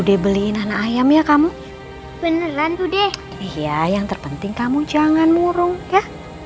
dibeliin anak ayam ya kamu beneran kude iya yang terpenting kamu jangan murung ya